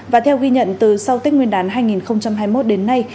và theo ghi nhận từ sau tết nguyên đán hai nghìn hai mươi một đến nay